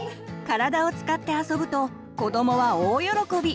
体を使って遊ぶと子どもは大喜び！